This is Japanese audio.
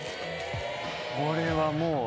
これはもう。